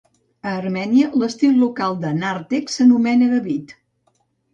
A Armènia, l'estil local de nàrtex s'anomena "gavit".